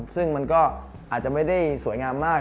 ซึ่งมันก็อาจจะไม่ได้สวยงามมาก